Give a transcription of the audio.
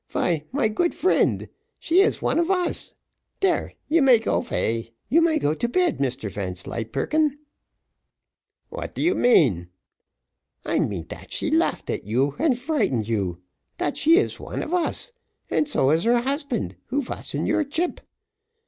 vy, my good friend, she is one of us. Dere, you may go vay you may go to bed, Mr Vanslyperken." "What do you mean?" "I mean dat she laughed at you, and frighten you dat she is one of us, and so is her husband, who vas in your chip.